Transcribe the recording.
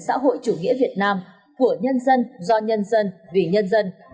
xã hội chủ nghĩa việt nam của nhân dân do nhân dân vì nhân dân